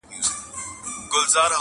!عبدالباري جهاني!